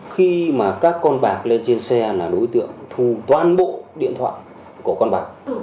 khi mà các con bạc lên trên xe là đối tượng thu toàn bộ điện thoại của con bạc